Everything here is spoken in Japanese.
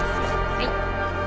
はい。